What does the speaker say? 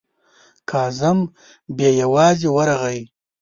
کازم بې یوازې ورغی.